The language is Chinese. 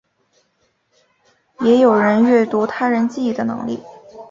也有阅读他人记忆的能力。